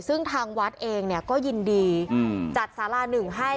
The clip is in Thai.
ซึ่งทางวัดเองก็ยินดีจัดสาราหนึ่งให้